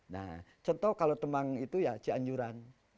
nah contoh kalau temang itu ya cianjuran